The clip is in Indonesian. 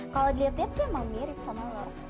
kalau diliat liat sih emang mirip sama lo